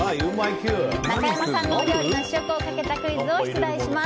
中山さんのお料理の試食をかけたクイズを出題します。